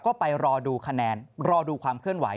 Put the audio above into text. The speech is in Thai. ก็ไปรอดูคะแนนรอดูความเคลื่อนไหว